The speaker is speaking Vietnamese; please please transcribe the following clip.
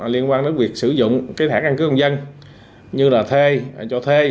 liên quan đến việc sử dụng thẻ căn cước công dân như là thê cho thê